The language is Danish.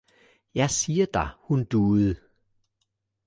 Jeg siger dig, hun duede!